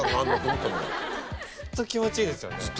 ずっと気持ちいいですよね。